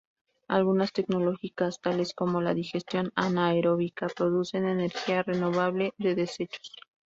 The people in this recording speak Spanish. Algunas tecnologías tales como la digestión anaeróbica producen energía renovable de desechos.